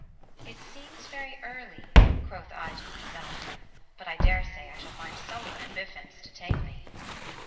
It seems very early, quoth I to myself, but I daresay I shall find someone at Biffin's to take me.